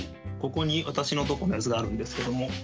ここに私のとこのやつがあるんですけども。